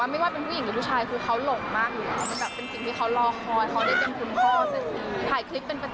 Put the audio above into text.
ถ่ายคลิกเป็นประจำถ่ายเก็บทุกโมเมนต์